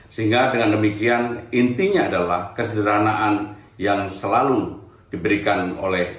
sehingga dengan demikian intinya adalah kesederhanaan yang selalu diberikan oleh